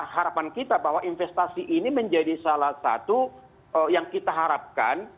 harapan kita bahwa investasi ini menjadi salah satu yang kita harapkan